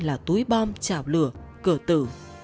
là túi bom chảo lửa cửa tử